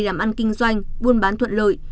làm ăn kinh doanh buôn bán thuận lợi